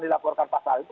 dilaporkan pasal itu